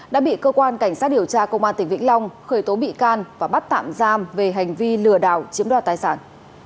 đã bị cơ quan cảnh sát điều tra công an tỉnh vĩnh long khởi tố bị can và bắt tạm giam về hành vi lừa đảo chiếm đoạt tài sản